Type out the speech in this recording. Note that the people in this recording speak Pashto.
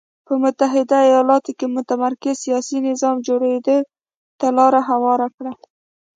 په متحده ایالتونو کې متمرکز سیاسي نظام جوړېدو ته لار هواره کړه.